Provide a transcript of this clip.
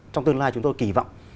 trong tương lai chúng tôi kỳ vọng